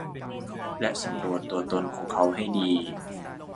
และสำรวจตัวตนของเขาให้ดี